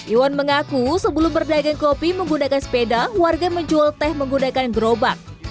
iwan mengaku sebelum berdagang kopi menggunakan sepeda warga menjual teh menggunakan gerobak